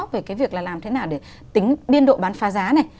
về cái việc là làm thế nào để tính biên độ bán phá giá này